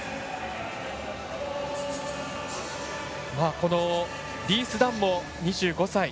このリース・ダンも２５歳。